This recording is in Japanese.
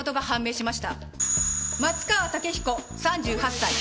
松川竹彦３８歳。